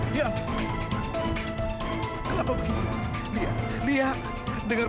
di sini siapin aja nggak